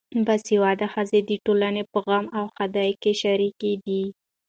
باسواده ښځې د ټولنې په غم او ښادۍ کې شریکې دي.